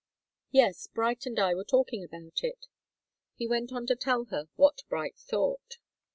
"Yes. Bright and I were talking about it." He went on to tell her what Bright thought.